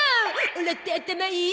オラって頭いい。